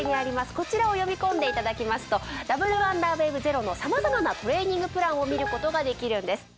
こちらを読み込んでいただきますとダブルワンダーウェーブゼロのさまざまなトレーニングプランを見ることができるんです。